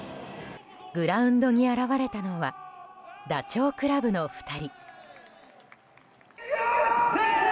グラウンドに現れたのはダチョウ倶楽部の２人。